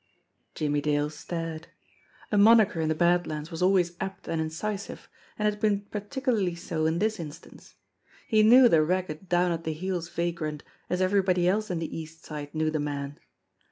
Jimmie Dale stared. A moniker in the Bad Lands was always apt and incisive, and it had been particularly so in this instance. He knew the ragged, down at the heels va grant, as everybody else in the East Side knew the man.